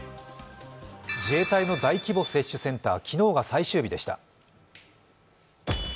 自衛隊の大規模接種センター昨日が最終日でした。